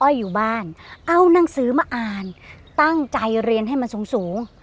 อยู่บ้านเอานังสือมาอ่านตั้งใจเรียนให้มันสูงสูง